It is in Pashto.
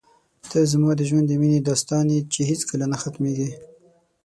ته زما د ژوند د مینې داستان یې چې هېڅکله نه ختمېږي.